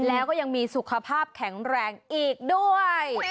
แล้วก็ยังมีสุขภาพแข็งแรงอีกด้วย